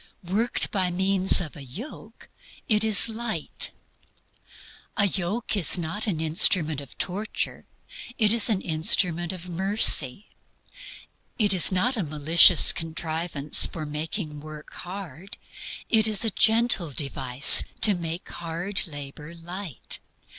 Worked by means of a yoke, it is light. A yoke is not an instrument of torture; it is AN INSTRUMENT OF MERCY. It is not a malicious contrivance for making work hard; it is a gentle device to make hard labor light.